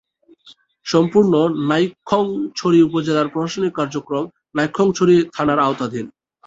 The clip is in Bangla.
সম্পূর্ণ নাইক্ষ্যংছড়ি উপজেলার প্রশাসনিক কার্যক্রম নাইক্ষ্যংছড়ি থানার আওতাধীন।